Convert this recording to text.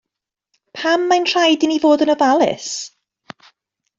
Pam mae'n rhaid i ni fod yn ofalus?